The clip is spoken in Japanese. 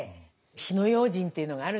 火の用心っていうのがあるので。